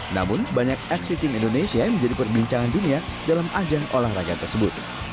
namun banyak aksi tim indonesia yang menjadi perbincangan dunia dalam ajang olahraga tersebut